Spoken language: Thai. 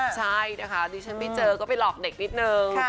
ใช่นะคะดิฉันไม่เจอก็ไปหลอกเด็กนิดนึง